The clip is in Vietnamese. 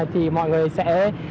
thì mọi người sẽ